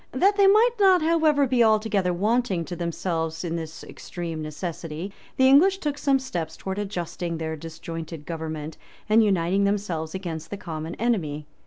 That they might not, however, be altogether wanting to themselves in this extreme necessity, the English took some steps towards adjusting their disjointed government, and uniting themselves against the common enemy.